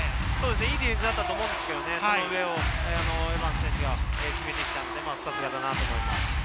いいディフェンスだったと思うんですけれども、その上をエバンス選手が決めてきた、さすがだなと思います。